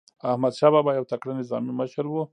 احمدشاه بابا یو تکړه نظامي مشر و.